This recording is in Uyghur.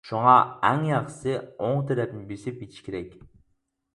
شۇڭا ئەڭ ياخشىسى ئوڭ تەرەپنى بېسىپ يېتىش كېرەك.